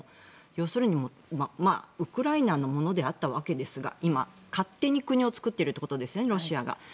要するに、ウクライナのものであったわけですが今、勝手に国を作っているということですよね、ロシアが。